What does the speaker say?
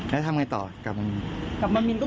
แล้วทำไงต่อกลับมามิน